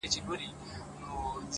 ددغه خلگو په كار، كار مه لره،